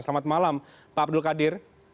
selamat malam pak abdul qadir